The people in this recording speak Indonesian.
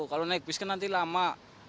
kalau naik bus kan nanti lama